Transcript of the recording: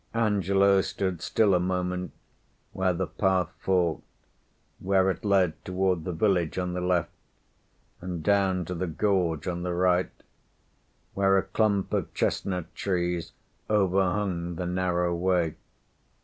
Angelo stood still a moment where the path forked, where it led toward the village on the left, and down to the gorge on the right, where a clump of chestnut trees overhung the narrow way.